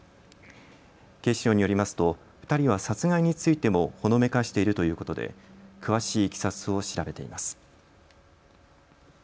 警視庁によりますと２人は殺害についてもほのめかしているということで詳しいいきさつを調べています。